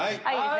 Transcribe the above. はい。